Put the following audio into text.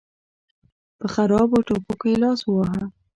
په خرابو ټوپکو یې لاس وواهه.